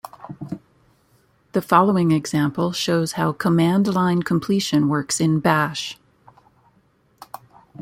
The following example shows how command-line completion works in Bash.